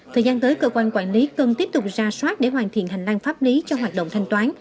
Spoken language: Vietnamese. thời gian tới cơ quan quản lý cần tiếp tục ra soát để hoàn thiện hành lang pháp lý cho hoạt động thanh toán